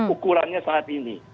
ukurannya saat ini